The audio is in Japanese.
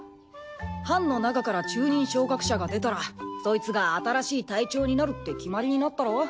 班の中から中忍昇格者が出たらソイツが新しい隊長になるって決まりになったろ。